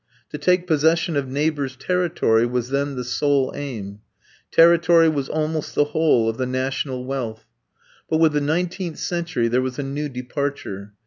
To take possession of neighbours' territory was then the sole aim; territory was almost the whole of the national wealth. But with the nineteenth century there was a new departure.